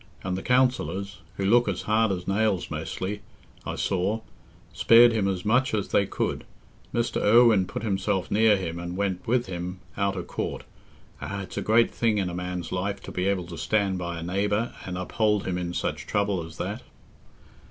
And the counsellors—who look as hard as nails mostly—I saw, spared him as much as they could. Mr. Irwine put himself near him and went with him out o' court. Ah, it's a great thing in a man's life to be able to stand by a neighbour and uphold him in such trouble as that."